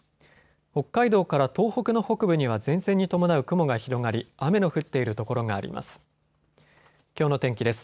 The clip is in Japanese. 北海道から東北の北部には前線に伴う雲が広がり雨の降っている所があります。